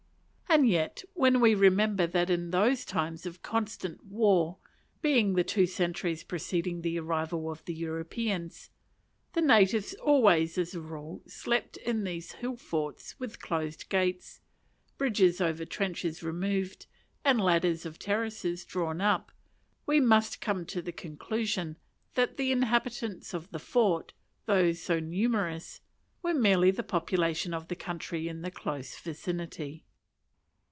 And yet, when we remember that in those times of constant war being the two centuries preceding the arrival of the Europeans the natives always, as a rule, slept in these hill forts with closed gates, bridges over trenches removed, and ladders of terraces drawn up, we must come to the conclusion that the inhabitants of the fort, though so numerous, were merely the population of the country in the close vicinity.